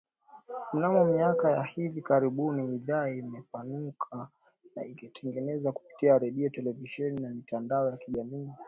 Mnamo miaka ya hivi karibuni idhaa imepanuka na inatangaza kupitia redio, televisheni na mitandao ya kijamii.